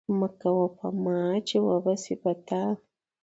مه کوه په ما، چې وبه سي په تا!